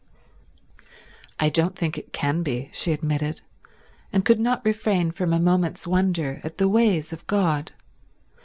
"I don't think it can be," she admitted, and could not refrain from a moment's wonder at the ways of God.